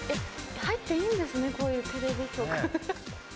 入っていいんですねこういうテレビ局。